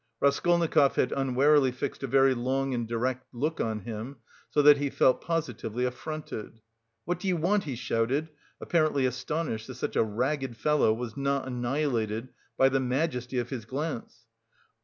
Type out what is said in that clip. Raskolnikov had unwarily fixed a very long and direct look on him, so that he felt positively affronted. "What do you want?" he shouted, apparently astonished that such a ragged fellow was not annihilated by the majesty of his glance.